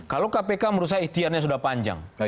kalau kpk menurut saya ikhtiarnya sudah panjang